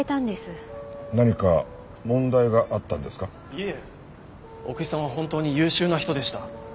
いえ奥居さんは本当に優秀な人でした。